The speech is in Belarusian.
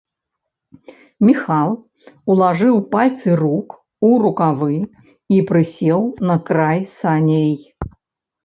Міхал улажыў пальцы рук у рукавы і прысеў на край саней.